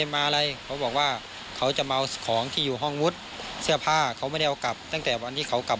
กลับก่อนนะเมียผมก็บอกว่าจะกลับ